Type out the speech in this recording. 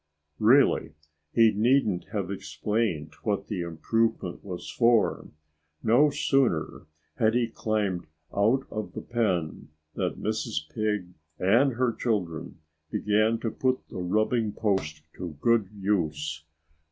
Really, he needn't have explained what the improvement was for. No sooner had he climbed out of the pen than Mrs. Pig and her children began to put the rubbing post to good use.